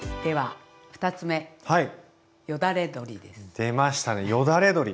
出ましたねよだれ鶏。